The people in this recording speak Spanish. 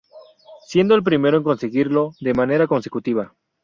Siendo el primero en conseguirlo de manera consecutiva.